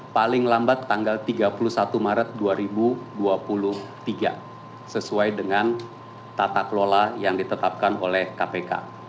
paling lambat tanggal tiga puluh satu maret dua ribu dua puluh tiga sesuai dengan tata kelola yang ditetapkan oleh kpk